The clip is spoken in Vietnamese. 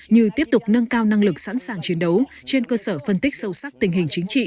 như tiếp tục nâng cao năng lực sẵn sàng chiến đấu trên cơ sở phân tích sâu sắc tình hình chính trị